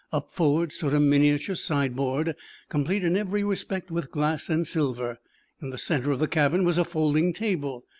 Up forward stood a miniature sideboard, complete in every respect with glass and silver. In the center of the cabin was a folding table.